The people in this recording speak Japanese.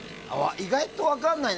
意外と分かんないね